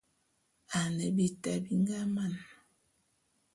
Ane bita bi nga man.